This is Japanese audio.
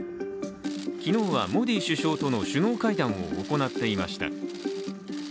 昨日はモディ首相との首脳会談を行っていました。